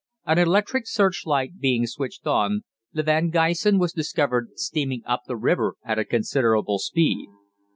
An electric searchlight being switched on, the 'Van Gysen' was discovered steaming up the river at a considerable speed.